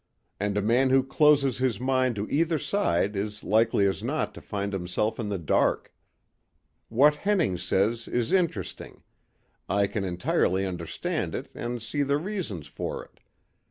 And a man who closes his mind to either side is likely as not to find himself in the dark. What Henning says is interesting. I can entirely understand it and see the reasons for it.